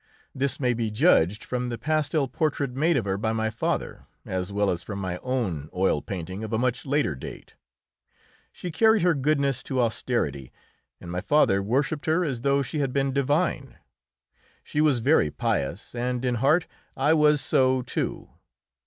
This may be judged from the pastel portrait made of her by my father, as well as from my own oil painting of a much later date. She carried her goodness to austerity, and my father worshipped her as though she had been divine. She was very pious, and, in heart, I was so, too.